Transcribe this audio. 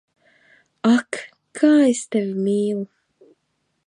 Ak, kā es Tevi mīlu!